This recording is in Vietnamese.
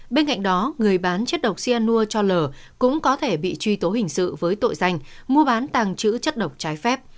bên cạnh đó người bán chất độc xe nua cho lờ cũng có thể bị truy tố hình sự với tội danh mua bán tàng trữ chất độc trái phép